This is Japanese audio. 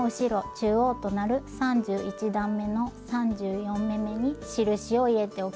中央となる３１段めの３４目めに印を入れておきます。